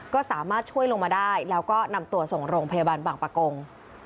ก็สามารถช่วยลงมาได้แล้วก็นำตัวส่งโรงพยาบาลบางประกง